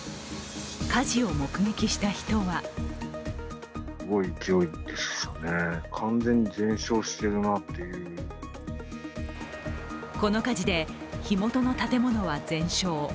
火事を目撃した人はこの火事で、火元の建物は全焼。